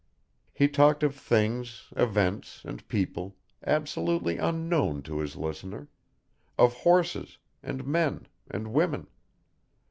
He talked of things, events, and people, absolutely unknown to his listener, of horses, and men, and women.